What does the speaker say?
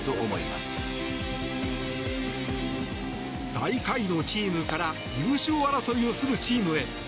最下位のチームから優勝争いをするチームへ。